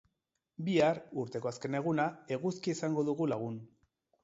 Bihar, urteko azken eguna, eguzkia izango dugu lagun.